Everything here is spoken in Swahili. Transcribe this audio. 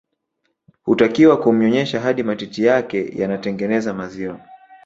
Hutakiwa kumnyonyesha hadi matiti yake yanatengeneza maziwa